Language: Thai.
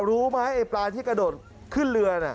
รู้ไหมไอ้ปลาที่กระโดดขึ้นเรือน่ะ